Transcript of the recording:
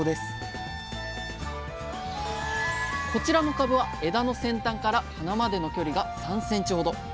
こちらの株は枝の先端から花までの距離が３ｃｍほど。